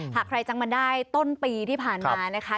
หากใครจำเป็นได้ต้นปีที่ผ่านมา